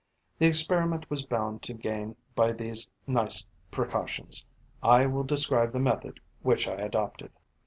The experiment was bound to gain by these nice precautions. I will describe the method which I adopted.